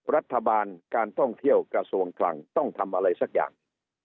รัฐบาลการท่องเที่ยวกระทรวงคลังต้องทำอะไรสักอย่าง